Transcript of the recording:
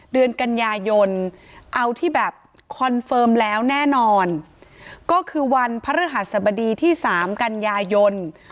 เดือนกันยายนเอาที่แบบคอนเฟิร์มแล้วแน่นอนก็คือวันพระฤหัสบดีที่สามกันยายน